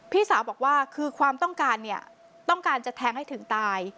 พี่สาวบอกว่าคือความต้องการเนี่ยต้องการจะแทงให้ถึงตาย